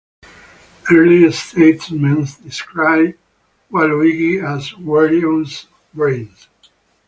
Early statements describe Waluigi as "Wario's brains".